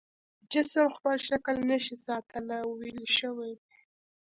جسم خپل شکل نشي ساتلی او ویلې شوی دی.